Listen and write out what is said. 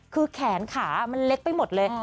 คือแขนขามันเล็กไปหมดเลย